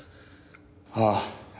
ああ。